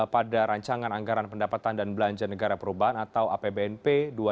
pada rancangan anggaran pendapatan dan belanja negara perubahan atau apbnp dua ribu dua puluh